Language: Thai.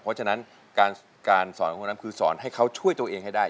เพราะฉะนั้นการสอนของคนนั้นคือสอนให้เขาช่วยตัวเองให้ได้